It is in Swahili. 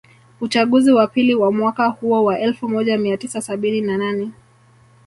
Uchaguzi wa pili wa mwaka huo wa elfu moja mia tisa sabini na nane